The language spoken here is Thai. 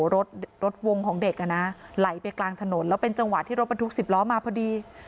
รถรถวงของเด็กอ่ะนะไหลไปกลางถนนแล้วเป็นจังหวะที่รถบรรทุก๑๐ล้อมาพอดี